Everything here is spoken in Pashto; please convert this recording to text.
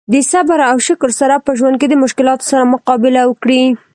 د صبر او شکر سره په ژوند کې د مشکلاتو سره مقابله وکړي.